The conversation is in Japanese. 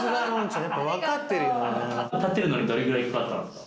建てるのにどれくらいかかったんですか？